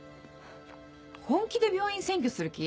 本気で病院占拠する気？